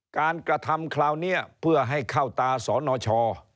กระทำคราวนี้เพื่อให้เข้าตาสนช